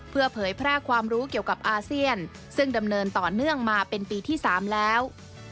เพื่อเผยแพร่ความรู้เกี่ยวกับอาเซียนซึ่งดำเนินต่อเนื่องมาเป็นปีที่๓แล้ว